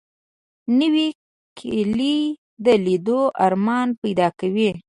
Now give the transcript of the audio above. نوې کلی د لیدو ارمان پیدا کوي